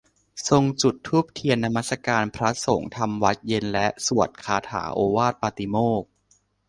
ทรงจุดธูปเทียนนมัสการ พระสงฆ์ทำวัตรเย็นและสวดคาถาโอวาทปาติโมกข์